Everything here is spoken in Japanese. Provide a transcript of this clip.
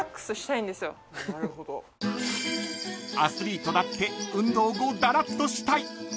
［アスリートだって運動後だらっとしたい］